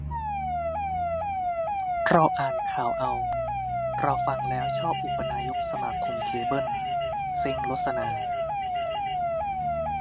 รออ่านข่าวเอา - เราฟังแล้วชอบอุปนายกสมาคมเคเบิ้ล เซ็งรสนา